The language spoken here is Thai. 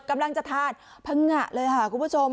กำลังจะทานพังงะเลยค่ะคุณผู้ชม